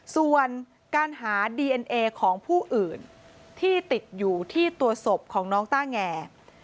ส่วนการหาดีเอ็นเอของผู้อื่นที่ติดอยู่ที่ตัวศพของน้องต้าแง